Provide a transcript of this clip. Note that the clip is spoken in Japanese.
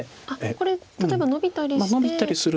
これ例えばノビたりして。